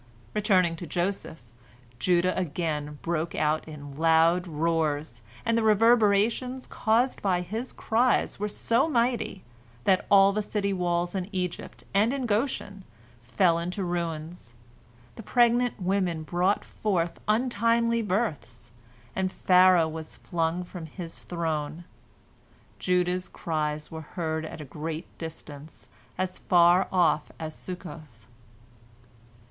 Returning to Joseph, Judah again broke out in loud roars, and the reverberations caused by his cries were so mighty that all the city walls in Egypt and in Goshen fell in ruins, the pregnant women brought forth untimely births, and Pharaoh was flung from his throne. Judah's cries were heard at a great distance, as far off as Succoth.